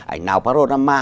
ảnh nào parodama